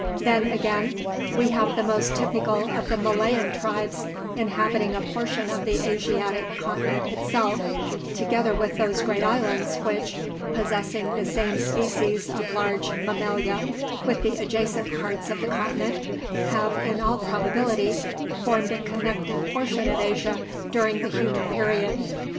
Then, again, we have the most typical of the Malayan tribes inhabiting a portion of the Asiatic continent itself, together with those great islands which, possessing the same species of large Mammalia with the adjacent parts of the continent, have in all probability formed a connected portion of Asia during the human period.